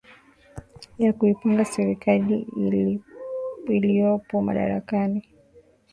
ya kuipinga serikali iliyopo madarakani